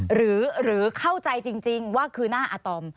หรือเข้าใจจริงว่าคือหน้าอาตอม